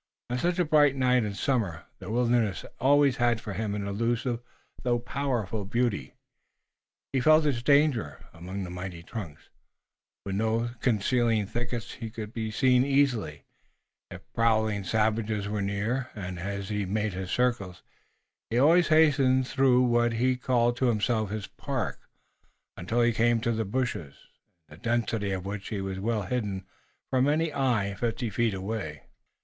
On such a bright night in summer the wilderness always had for him an elusive though powerful beauty, but he felt its danger. Among the mighty trunks, with no concealing thickets, he could be seen easily, if prowling savages were near, and, as he made his circles, he always hastened through what he called to himself his park, until he came to the bushes, in the density of which he was well hidden from any eye fifty feet away.